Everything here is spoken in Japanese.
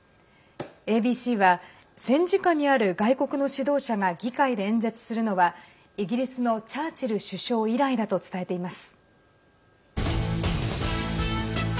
ＡＢＣは戦時下にある外国の指導者が議会で演説するのはイギリスのチャーチル首相以来だと伝えています。